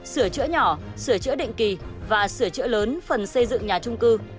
sửa chữa nhỏ sửa chữa định kỳ và sửa chữa lớn phần xây dựng nhà trung cư